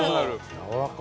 やわらか。